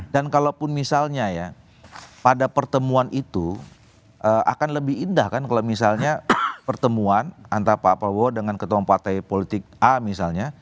dan kalaupun misalnya ya pada pertemuan itu akan lebih indah kan kalau misalnya pertemuan antara pak prabowo dengan ketua empatai politik a misalnya